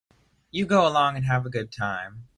You go along and have a good time.